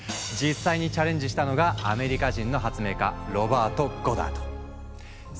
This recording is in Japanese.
実際にチャレンジしたのがアメリカ人の発明家ロバート・ゴダード。